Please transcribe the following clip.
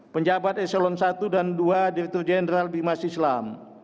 penjabat eselon i dan dua direktur jenderal bimas islam